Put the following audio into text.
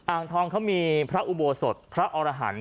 อ่างทองเขามีพระอุโบสถพระอรหันต์